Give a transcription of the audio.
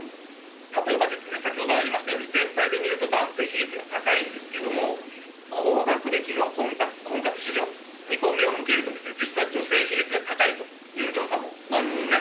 例えば、先ほどありましたように全体で見ると男性比率が高いんですが高学歴の婚活市場に目を向けると実は女性比率が高いという調査もあるんですね。